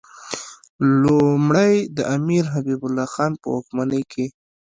لومړی د امیر حبیب الله خان په واکمنۍ کې.